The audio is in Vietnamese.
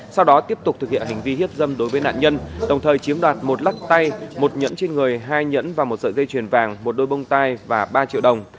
sau đó tiếp tục thực hiện hành vi hiếp dâm đối với nạn nhân đồng thời chiếm đoạt một lắc tay một nhẫn trên người hai nhẫn và một sợi dây chuyền vàng một đôi bông tai và ba triệu đồng